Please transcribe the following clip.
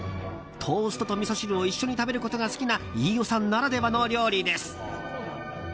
トーストとみそ汁を一緒に食べることが好きな飯尾さんならではの料理です。